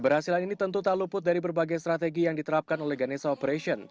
keberhasilan ini tentu tak luput dari berbagai strategi yang diterapkan oleh ganesha operation